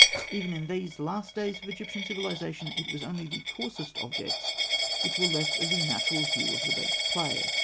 Even in these last days of Egyptian civilisation, it was only the coarsest objects which were left of the natural hue of the baked clay.